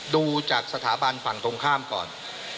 ดูจากสถาบันฝั่งตรงข้ามก่อน